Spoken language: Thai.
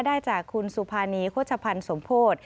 ได้จากคุณสุภานีโฆษภัณฑ์สมโพธิ